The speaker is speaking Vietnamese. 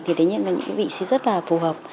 thì tất nhiên là những cái vị trí rất là phù hợp